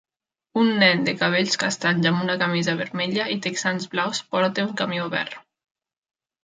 Un nen de cabells castanys amb una camisa vermella i texans blaus porta un camió verd.